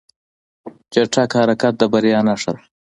چټک حرکت د بریا نښه ده.